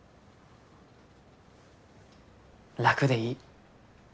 楽でいい。